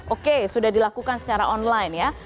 oke sudah dilakukan secara online ya